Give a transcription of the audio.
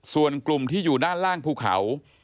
ส่วนกลุ่มที่อยู่ด้านล่างภูเขา